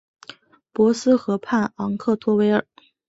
博斯河畔昂克托维尔。